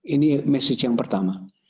ini message yang pertama